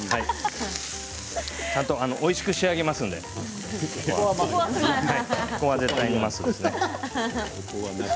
ちゃんとおいしく仕上げますのでそこは絶対に。